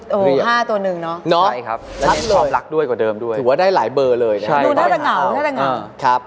โอ้โห๕ตัวนึงเนอะใช่ครับและเก็บความรักด้วยกว่าเดิมด้วยถือว่าได้หลายเบอร์เลยนะครับ